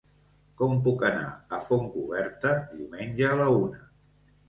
Com puc anar a Fontcoberta diumenge a la una?